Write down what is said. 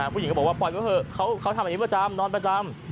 ผู้หญิงก็บอกปลอดคลิปเขาทำแบบนี้ประจำนอนประจำ